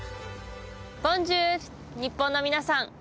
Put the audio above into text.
ボンジュール日本の皆さん